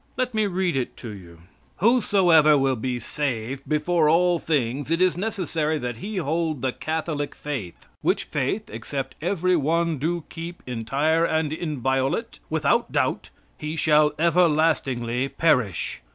Let me read it to you: "Whosoever will be saved, before all things it is necessary that he hold the Catholic faith; which faith, except every one do keep entire and inviolate, without doubt, he shall everlastingly perish."